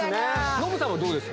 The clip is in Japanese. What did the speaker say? ノブさんどうですか？